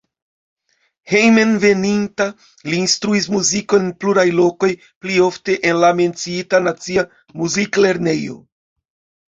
Hejmenveninta li instruis muzikon en pluraj lokoj, pli ofte en la menciita nacia muziklernejo.